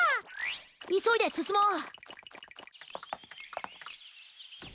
いそいですすもう。